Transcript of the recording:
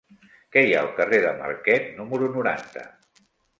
Què hi ha al carrer de Marquet número noranta?